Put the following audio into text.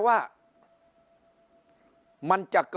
ฝ่ายชั้น